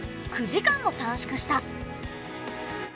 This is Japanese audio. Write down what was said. ９時間も短縮した。